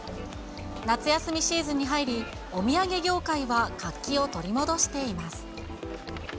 夏休みシーズンに入り、お土産業界は活気を取り戻しています。